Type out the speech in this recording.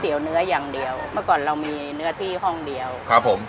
เดี๋ยวเนื้ออย่างเดียวเมื่อก่อนเรามีเนื้อที่ห้องเดียวครับผม